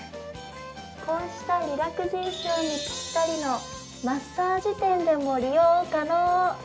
こうしたリラクゼーションにぴったりのマッサージ店でも利用可能。